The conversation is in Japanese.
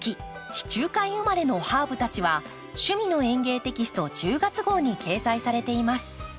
地中海生まれのハーブたち」は「趣味の園芸」テキスト１０月号に掲載されています。